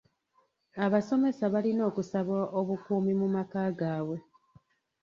Abasomesa balina okusaba obukuumi mu maka gaabwe.